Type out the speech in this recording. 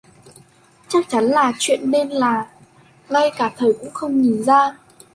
Chắc chắn là có chuyện nên là ngay cả thầy cũng không nhìn ra